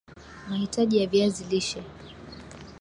mahitaji ya viazi lishe